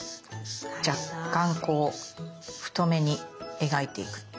若干こう太めに描いていく。